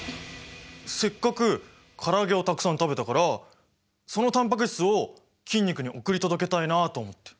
せっかく唐揚げをたくさん食べたからそのタンパク質を筋肉に送り届けたいなと思って。